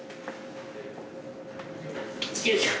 よいしょ。